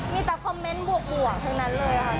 มีแต่คอมเมนต์บวกทั้งนั้นเลยค่ะ